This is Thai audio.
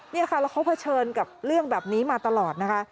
นี่ค่ะแล้วเขาเผชิญกับเรื่องแบบนี้มาตลอดนะคะ